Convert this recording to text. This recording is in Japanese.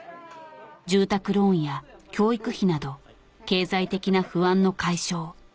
住宅ローンや教育費など経済的な不安の解消